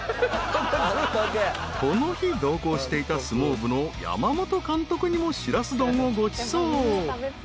［この日同行していた相撲部の山本監督にもしらす丼をごちそう］